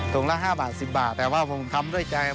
ถุงละ๕บาท๑๐บาทแต่ว่าผมทำด้วยใจ